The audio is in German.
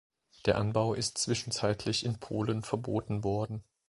Der Anbau ist zwischenzeitlich in Polen verboten worden.